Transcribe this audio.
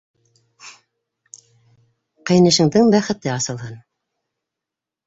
Ҡәйнешеңдең бәхете асылһын.